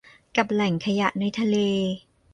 กับแหล่งขยะในทะเล